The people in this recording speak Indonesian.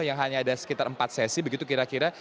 yang hanya ada sekitar empat sesi begitu kira kira